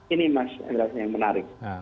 ini yang menarik